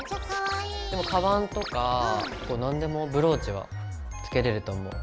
でもかばんとか何でもブローチはつけれると思う。